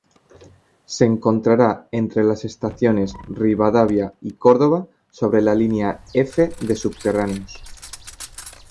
Se encontrará entre las estaciones Rivadavia y Córdoba sobre la línea F de subterráneos.